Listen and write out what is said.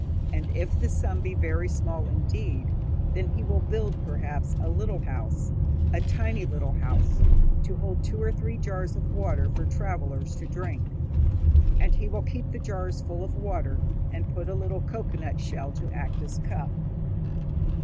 And if the sum be very small indeed, then he will build, perhaps, a little house a tiny little house to hold two or three jars of water for travellers to drink. And he will keep the jars full of water, and put a little cocoanut shell to act as cup.